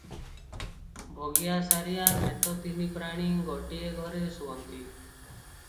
ଭଗିଆ, ସାରିଆ, ନେତ ତିନି ପ୍ରାଣୀ ଗୋଟିଏ ଘରେ ଶୁଅନ୍ତି ।